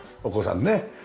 お子さんね。